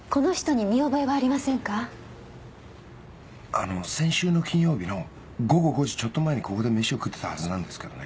あの先週の金曜日の午後５時ちょっと前にここで飯を食ってたはずなんですけどね。